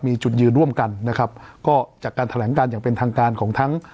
มีจุดยืนร่วมกันนะครับก็จากการแถลงการอย่างเป็นทางการของทั้ง